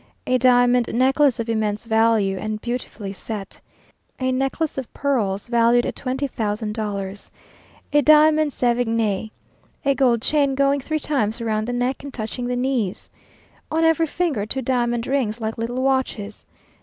A diamond necklace of immense value, and beautifully set. A necklace of pear pearls, valued at twenty thousand dollars. A diamond sévigné. A gold chain going three times round the neck, and touching the knees. On every finger two diamond rings, like little watches.